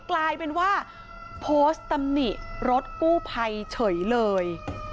กลายเป็นว่าโพสต์ตำหนิรถกู้ภัยเฉยเลย